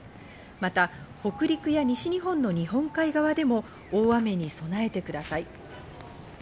また、北陸や西日本の日本海側でも大雨に備えてください。